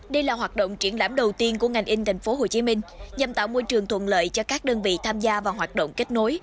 đây là hoạt động triển lãm đầu tiên của ngành in tp hcm nhằm tạo môi trường thuận lợi cho các đơn vị tham gia vào hoạt động kết nối